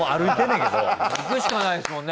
行くしかないですもんね。